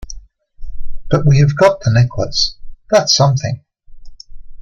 But we have got the necklace — that's something.